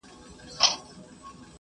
مطالعه وکړئ ترڅو خپل ږغ پورته کړئ.